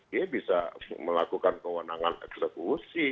dia bisa melakukan kewenangan eksekusi